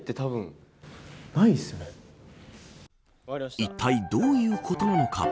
いったいどういうことなのか。